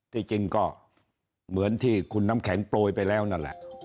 ที่จริงก็เหมือนที่คุณน้ำแข็งโปรยไปแล้วนั่นแหละ